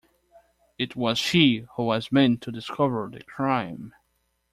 It was she who was meant to discover the crime.